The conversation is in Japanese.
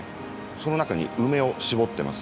その中に梅を絞ってます。